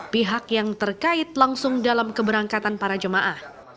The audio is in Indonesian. pihak yang terkait langsung dalam keberangkatan para jemaah